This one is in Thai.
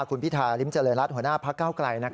ขุนพี่ทาร์ลิ้มเจริญรัฐหัวหน้าพระเก้าไกร